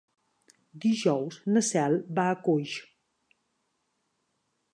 Dijous na Cel va a Coix.